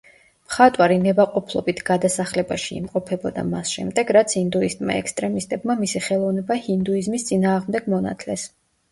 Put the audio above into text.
მხატვარი ნებაყოფლობით გადასახლებაში იმყოფებოდა, მას შემდეგ რაც ინდუისტმა ექსტრემისტებმა მისი ხელოვნება ჰინდუიზმის წინააღმდეგ მონათლეს.